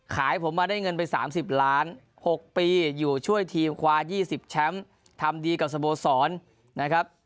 ขายผมมาได้เงินไป๓๐ล้าน๖ปีอยู่ช่วยทีมคว้า๒๐แชมป์ทำดีกับสโมสรนะครับ